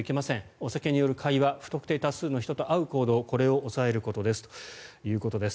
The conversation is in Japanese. お酒による会話や不特定多数の人と会う行動を控えることということです。